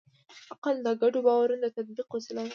عقل د ګډو باورونو د تطبیق وسیله ده.